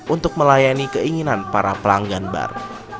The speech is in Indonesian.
untuk melayani keinginan para pelanggan baru